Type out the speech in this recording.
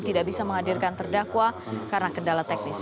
tidak bisa menghadirkan terdakwa karena kendala teknis